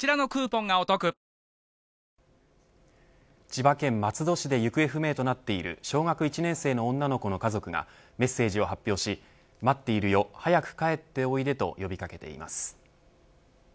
千葉県松戸市で行方不明となっている小学１年生の女の子の家族がメッセージを発表し待っているよ、早く帰っておいでと呼び掛けています。